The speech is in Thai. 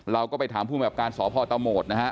เราก็ไปถามผู้แบบการสอบพอตะโมดนะฮะ